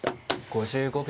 ５５秒。